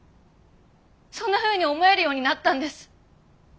そんなふうに思えるようになったんです。